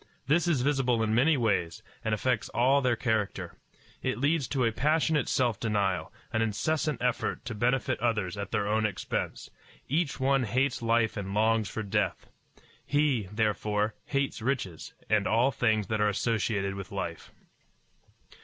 This is visible in many ways, and affects all their character. It leads to a passionate self denial, an incessant effort to benefit others at their own expense. Each one hates life and longs for death. He, therefore, hates riches, and all things that are associated with life.